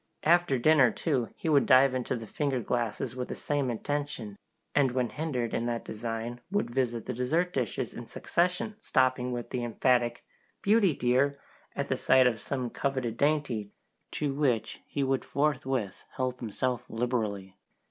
After dinner, too, he would dive into the finger glasses with the same intention, and when hindered in that design would visit the dessert dishes in succession, stopping with an emphatic "Beauty dear!" at the sight of some coveted dainty, to which he would forthwith help himself liberally.